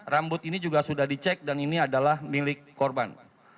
rambut ini juga sudah dicek dan ini adalah milik korban